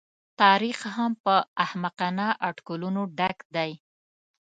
تاریخ هم په احمقانه اټکلونو ډک دی.